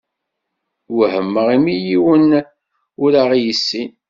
Wehmeɣ imi yiwen ur aɣ-yessin.